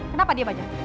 kenapa dia banyak